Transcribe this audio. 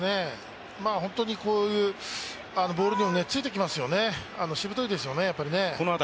本当にこういうボールにもついてきますよねしぶといですよね。